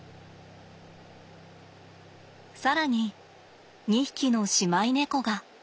更に２匹の姉妹猫が。